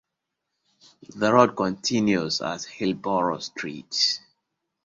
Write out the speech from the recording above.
The road continues as Hillsboro Street.